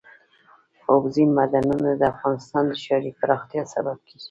اوبزین معدنونه د افغانستان د ښاري پراختیا سبب کېږي.